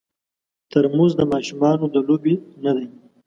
ترموز د ماشومانو د لوبې نه دی.